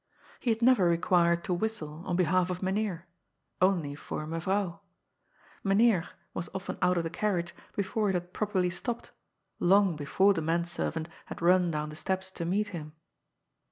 He had never required' to whistle on behalf of Mynheer — only for Mevrouw. Myn ^ heer was often out of the carriage before it had properly stopped, long before the manservant had run down the steps to meet him.